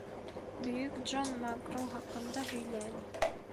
Бөйөк Джон Мак-Гроу хаҡында һөйлә әле.